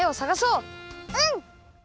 うん！